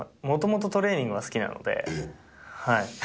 もともと、トレーニングが好きなので、はい。